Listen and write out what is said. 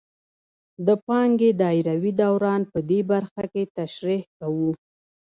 د پانګې دایروي دوران په دې برخه کې تشریح کوو